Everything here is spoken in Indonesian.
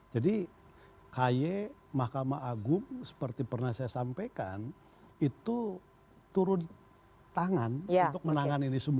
jadi kaye makamah agung seperti pernah saya sampaikan itu turun tangan untuk menangan ini semua